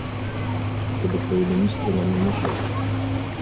Чтобы твои министры нам не мешали.